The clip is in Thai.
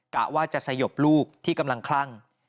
กะว่าจะสยบลูกที่กำลังคลั่ง